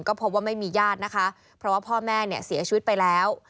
ก็พบว่าไม่มีญาตินะคะเพราะว่าพ่อแม่เนี่ยเสียชีวิตไปแล้ว